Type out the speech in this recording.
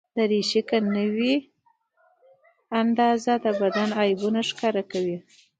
دریشي که نه وي اندازه، د بدن عیبونه ښکاره کوي.